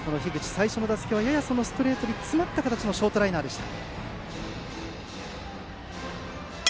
最初の打席はややストレートに詰まった形のショートライナーでした。